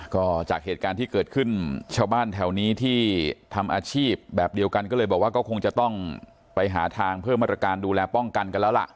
ก็จากเหตุการณ์ที่เกิดขึ้นชาวบ้านแถวนี้ที่ทำอาชีพแบบเดียวกันก็เลยบอกว่าก็คงจะต้องไปหาทางเพิ่มมาตรการดูแลป้องกันกันแล้วล่ะ